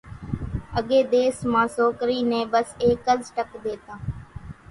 اڳيَ ۮيس مان سوڪرِي نين ٻس ايڪز ٽڪ ۮيتان۔